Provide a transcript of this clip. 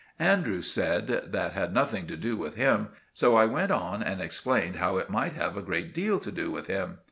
Andrews said that had nothing to do with him; so I went on and explained how it might have a great deal to do with him.